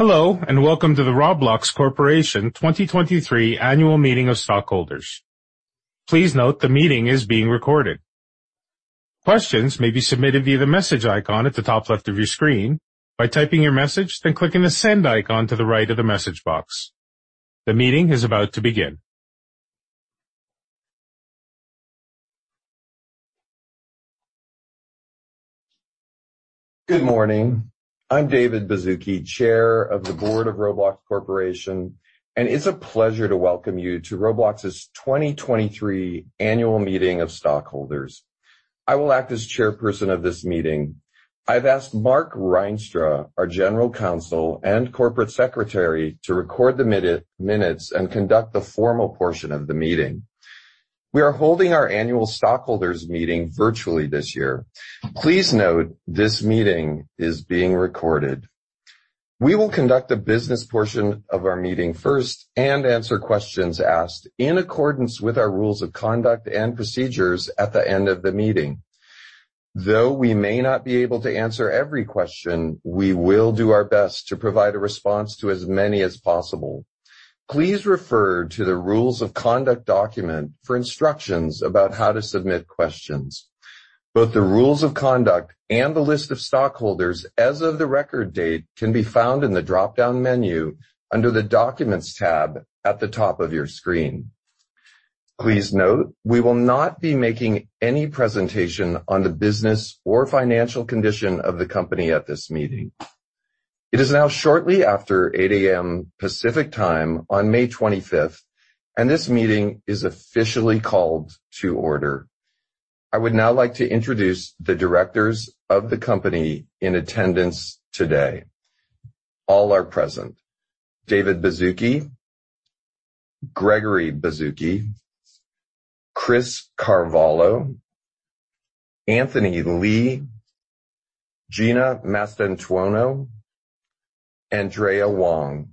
Hello, welcome to the Roblox Corporation 2023 Annual Meeting of Stockholders. Please note the meeting is being recorded. Questions may be submitted via the message icon at the top left of your screen by typing your message, then clicking the Send icon to the right of the message box. The meeting is about to begin. Good morning. I'm David Baszucki, Chair of the Board of Roblox Corporation, and it's a pleasure to welcome you to Roblox's 2023 Annual Meeting of Stockholders. I will act as chairperson of this meeting. I've asked Mark Reinstra, our General Counsel and Corporate Secretary, to record the minutes and conduct the formal portion of the meeting. We are holding our annual stockholders meeting virtually this year. Please note this meeting is being recorded. We will conduct the business portion of our meeting first and answer questions asked in accordance with our rules of conduct and procedures at the end of the meeting. Though we may not be able to answer every question, we will do our best to provide a response to as many as possible. Please refer to the Rules of Conduct document for instructions about how to submit questions. Both the Rules of Conduct and the list of stockholders as of the record date, can be found in the dropdown menu under the Documents tab at the top of your screen. Please note, we will not be making any presentation on the business or financial condition of the company at this meeting. It is now shortly after 8:00 A.M. Pacific Time on May 25th, and this meeting is officially called to order. I would now like to introduce the directors of the company in attendance today. All are present. David Baszucki, Gregory Baszucki, Chris Carvalho, Anthony Lee, Gina Mastantuono, and Andrea Wong.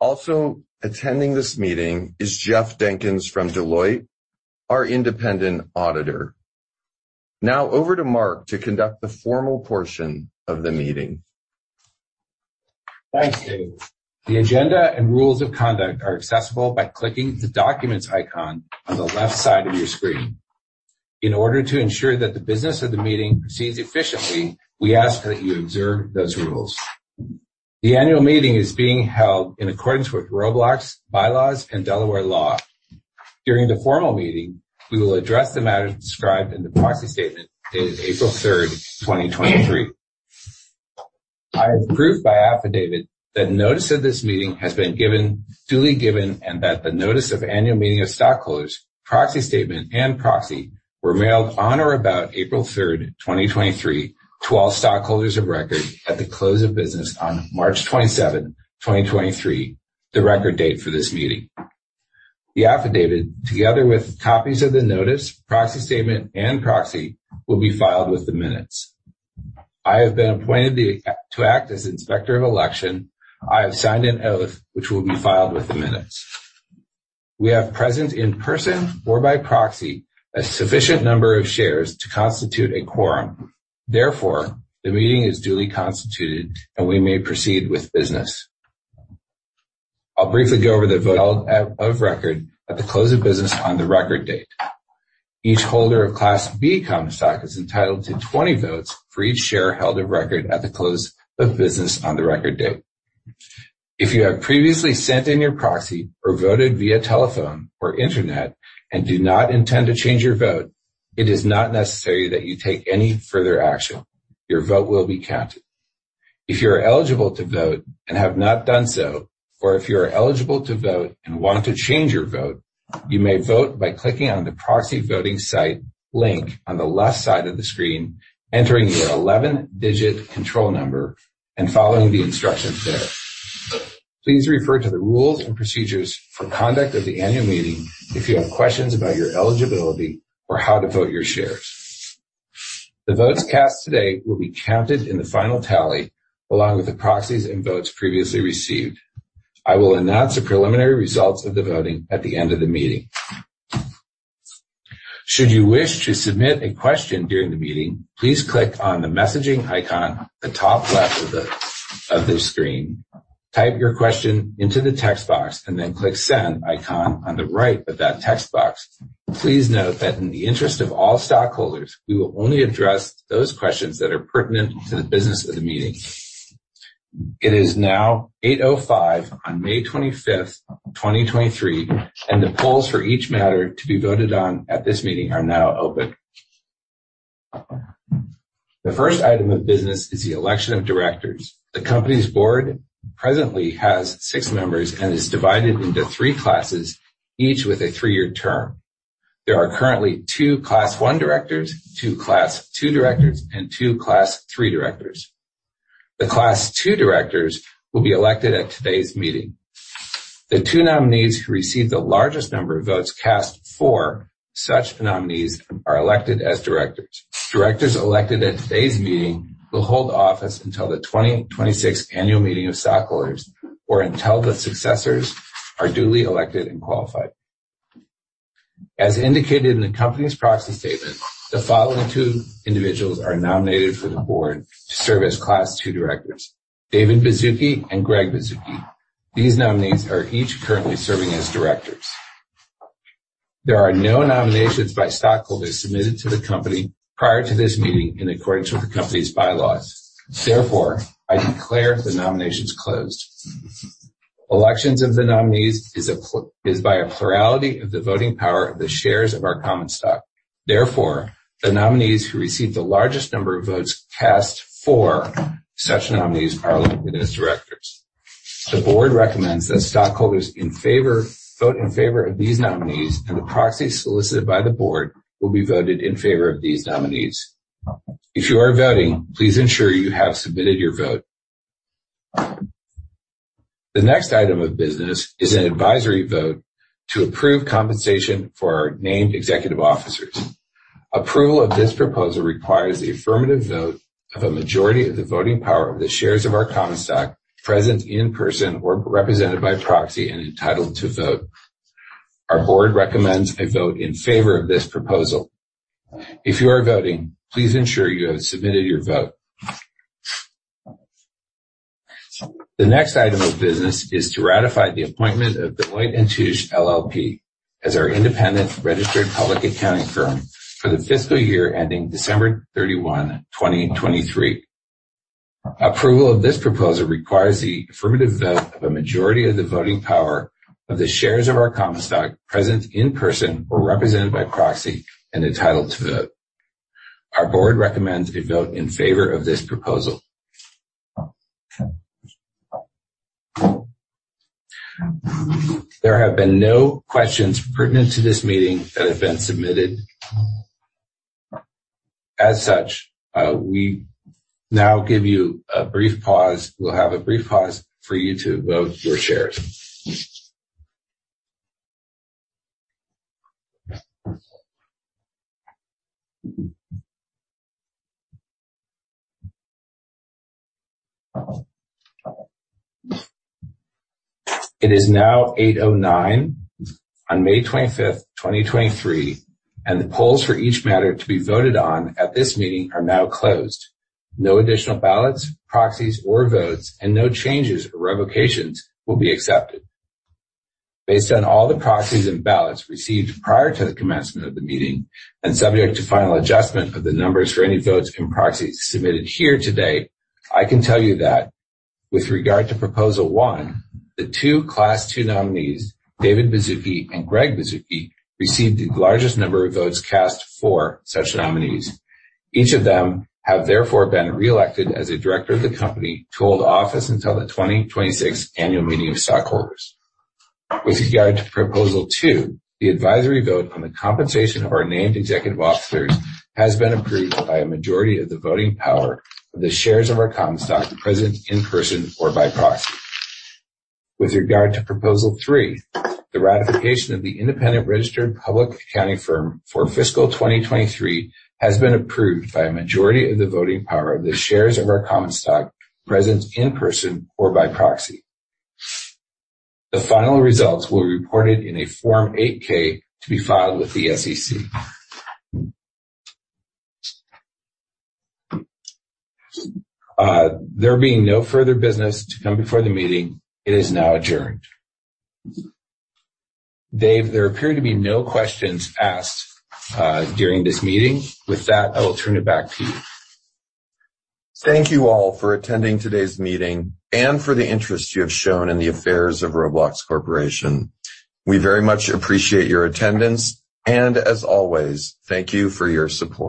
Also, attending this meeting is Jeff Dinkins from Deloitte, our independent auditor. Now over to Mark to conduct the formal portion of the meeting. Thanks, Dave. The agenda and rules of conduct are accessible by clicking the Documents icon on the left side of your screen. In order to ensure that the business of the meeting proceeds efficiently, we ask that you observe those rules. The annual meeting is being held in accordance with Roblox's bylaws and Delaware law. During the formal meeting, we will address the matters described in the proxy statement, dated April 3, 2023. I have proved by affidavit that notice of this meeting has been duly given, and that the notice of annual meeting of stockholders, proxy statement, and proxy, were mailed on or about April 3, 2023, to all stockholders of record at the close of business on March 27, 2023, the record date for this meeting. The affidavit, together with copies of the notice, proxy statement, and proxy, will be filed with the minutes. I have been appointed the to act as Inspector of Election. I have signed an oath which will be filed with the minutes. We have present in person or by proxy, a sufficient number of shares to constitute a quorum. The meeting is duly constituted, and we may proceed with business. I'll briefly go over the vote of record at the close of business on the record date. Each holder of Class B common stock is entitled to 20 votes for each share held of record at the close of business on the record date. If you have previously sent in your proxy or voted via telephone or internet and do not intend to change your vote, it is not necessary that you take any further action. Your vote will be counted. If you're eligible to vote and have not done so, or if you are eligible to vote and want to change your vote, you may vote by clicking on the proxy voting site link on the left side of the screen, entering your 11-digit control number and following the instructions there. Please refer to the rules and procedures for conduct of the annual meeting if you have questions about your eligibility or how to vote your shares. The votes cast today will be counted in the final tally, along with the proxies and votes previously received. I will announce the preliminary results of the voting at the end of the meeting. Should you wish to submit a question during the meeting, please click on the messaging icon at the top left of the screen. Type your question into the text box and then click Send icon on the right of that text box. Please note that in the interest of all stockholders, we will only address those questions that are pertinent to the business of the meeting. It is now 8:05 A.M. on May 25, 2023, and the polls for each matter to be voted on at this meeting are now open. The first item of business is the election of directors. The company's board presently has six members and is divided into three classes, each with a 3-year term. There are currently two Class One directors, two Class Two directors, and two Class Three Directors. The Class Two directors will be elected at today's meeting. The two nominees who receive the largest number of votes cast for such nominees are elected as directors. Directors elected at today's meeting will hold office until the 2026 annual meeting of stockholders or until the successors are duly elected and qualified. As indicated in the company's proxy statement, the following two individuals are nominated for the board to serve as Class II directors, David Baszucki and Greg Baszucki. These nominees are each currently serving as directors. There are no nominations by stockholders submitted to the company prior to this meeting in accordance with the company's bylaws. Therefore, I declare the nominations closed. Elections of the nominees is by a plurality of the voting power of the shares of our common stock. Therefore, the nominees who received the largest number of votes cast for such nominees are elected as directors. The board recommends that stockholders in favor, vote in favor of these nominees, and the proxy solicited by the board will be voted in favor of these nominees. If you are voting, please ensure you have submitted your vote. The next item of business is an advisory vote to approve compensation for our named executive officers. Approval of this proposal requires the affirmative vote of a majority of the voting power of the shares of our common stock, present in person or represented by proxy and entitled to vote. Our board recommends a vote in favor of this proposal. If you are voting, please ensure you have submitted your vote. The next item of business is to ratify the appointment of Deloitte & Touche LLP as our independent registered public accounting firm for the fiscal year ending December 31, 2023. Approval of this proposal requires the affirmative vote of a majority of the voting power of the shares of our common stock, present in person or represented by proxy and entitled to vote. Our board recommends a vote in favor of this proposal. There have been no questions pertinent to this meeting that have been submitted. As such, we now give you a brief pause. We'll have a brief pause for you to vote your shares. It is now 8:09 A.M. on May twenty-fifth, 2023. The polls for each matter to be voted on at this meeting are now closed. No additional ballots, proxies, or votes, and no changes or revocations will be accepted. Based on all the proxies and ballots received prior to the commencement of the meeting, subject to final adjustment of the numbers for any votes and proxies submitted here today, I can tell you that with regard to proposal one, the two Class II nominees, David Baszucki and Greg Baszucki, received the largest number of votes cast for such nominees. Each of them have therefore been reelected as a director of the company to hold office until the 2026 Annual Meeting of Stockholders. With regard to proposal two, the advisory vote on the compensation of our named executive officers has been approved by a majority of the voting power of the shares of our common stock, present in person or by proxy. With regard to proposal three, the ratification of the independent registered public accounting firm for fiscal 2023 has been approved by a majority of the voting power of the shares of our common stock, present in person or by proxy. The final results will be reported in a Form 8-K to be filed with the SEC. There being no further business to come before the meeting, it is now adjourned. Dave, there appear to be no questions asked during this meeting. With that, I will turn it back to you. Thank you all for attending today's meeting and for the interest you have shown in the affairs of Roblox Corporation. We very much appreciate your attendance. As always, thank you for your support.